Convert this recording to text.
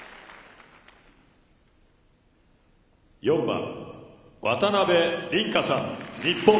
４番渡辺倫果さん、日本。